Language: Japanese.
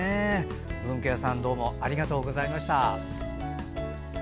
文渓さんどうもありがとうございました。